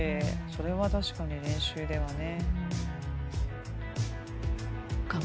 それは確かに練習ではね。